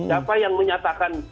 siapa yang menyatakan